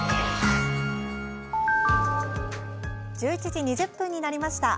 １１時２０分になりました。